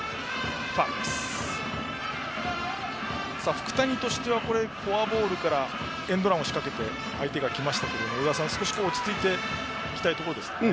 福谷としてはフォアボールからエンドランを仕掛けて相手が来ましたが与田さん、少し落ち着いて行きたいところですね。